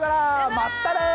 まったね！